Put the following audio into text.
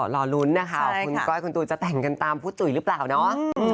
รอลุ้นนะคะคุณก้อยคุณตูนจะแต่งกันตามพุทธจุ๋ยหรือเปล่าเนาะ